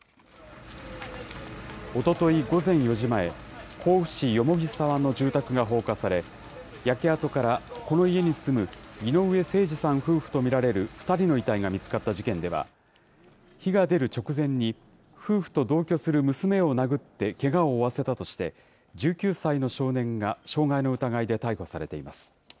おととい午前４時前、甲府市蓬沢の住宅が放火され、焼け跡からこの家に住む井上盛司さん夫婦と見られる２人の遺体が見つかった事件では、火が出る直前に、夫婦と同居する娘を殴ってけがを負わせたとして、１９歳の少年が傷害の疑いで逮捕されています。